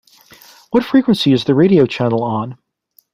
What frequency is the radio channel on?